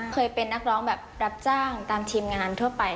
เคยเป็นนักร้องแบบรับจ้างตามทีมงานทั่วไป